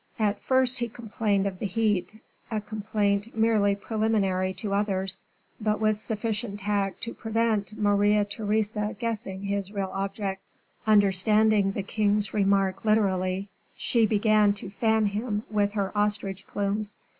At first, he complained of the heat a complaint merely preliminary to others, but with sufficient tact to prevent Maria Theresa guessing his real object. Understanding the king's remark literally, she began to fan him with her ostrich plumes.